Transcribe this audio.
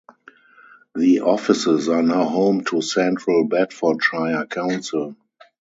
The offices are now home to Central Bedfordshire Council.